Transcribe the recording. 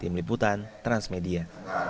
tim liputan transmedia